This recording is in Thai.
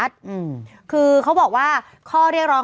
พวกเขาบอกว่าคุณพิเศษเลยสนอง